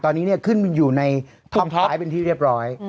ตอนนี้ขึ้นอยู่ในถ้ำท้ายเป็นที่เรียบร้อย